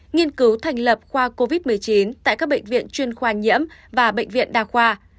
nghiên cứu thành lập khoa covid một mươi chín tại các bệnh viện chuyên khoa nhiễm và bệnh viện đa khoa